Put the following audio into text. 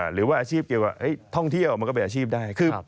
หรือว่าอาชีพเกี่ยวกับท่องเที่ยวมันก็เป็นอาชีพได้